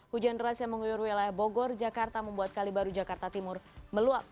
hujan deras yang menguyur wilayah bogor jakarta membuat kali baru jakarta timur meluap